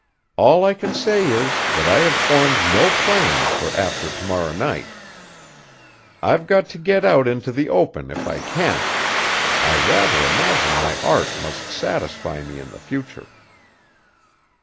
All I can say is, that I have formed no plans for after to morrow night! I've got to get out into the open if I can. I rather imagine my art must satisfy me in the future."